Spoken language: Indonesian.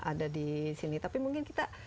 ada di sini tapi mungkin kita